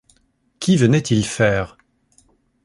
Qu’y venait-il faire ?